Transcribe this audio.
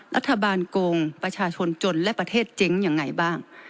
รัฐบาลโกงประชาชนจนและประเทศเจ๋งอย่างไรบ้าง